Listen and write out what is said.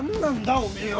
おめえは。